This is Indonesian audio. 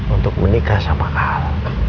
untuk menikah sama kal